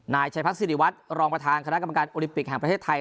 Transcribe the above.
นายชัยพัฒนศิริวัตรรองประธานคณะกรรมการโอลิมปิกแห่งประเทศไทย